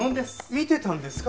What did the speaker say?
見てたんですか？